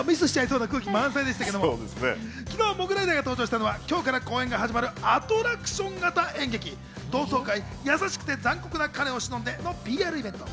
昨日、モグライダーが登場したのは今日から公演が始まるアトラクション型演劇、『同窓会優しくて残酷な彼を偲んで』のＰＲイベント。